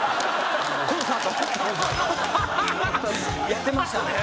やってましたね。